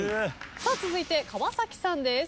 続いて川さんです。